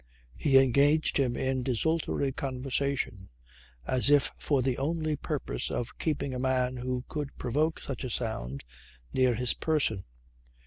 He engaged him in desultory conversation as if for the only purpose of keeping a man who could provoke such a sound, near his person.